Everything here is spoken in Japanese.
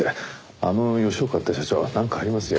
あの吉岡って社長はなんかありますよ。